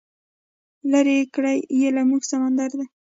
لرې کړی یې له موږه سمندر دی